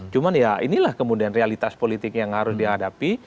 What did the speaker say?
cuman ya inilah kemudian realitas politik yang harus dihadapi